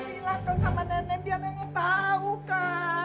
bilang dong sama nenek biar nenek tau kak